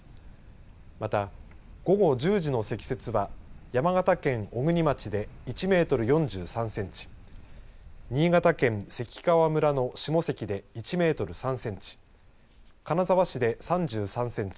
また、午後１０時の積雪は山形県小国町で１メートル４３センチ新潟県関川村の下関で１メートル３センチ金沢市で３３センチ